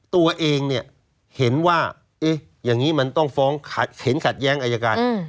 ตัวเองเนี่ยเห็นว่าอย่างนี้มันต้องฟ้องเห็นขัดแย้งอายการ